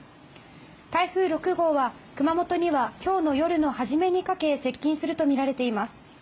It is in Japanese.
台風６号は熊本には今日の夜の初めにかけ接近するとみられています。